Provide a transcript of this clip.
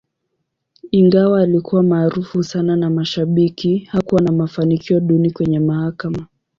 Ingawa alikuwa maarufu sana na mashabiki, hakuwa na mafanikio duni kwenye mahakama.